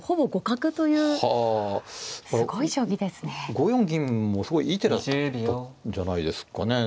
５四銀もすごいいい手だったんじゃないですかね。